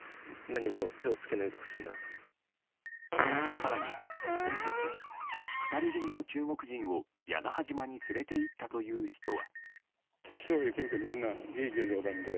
更に、先月２人組の中国人を屋那覇島に連れて行ったという人は。